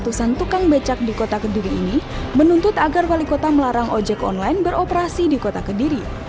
ratusan tukang becak di kota kediri ini menuntut agar wali kota melarang ojek online beroperasi di kota kediri